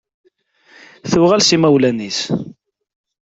Tuɣal s imawlan-is.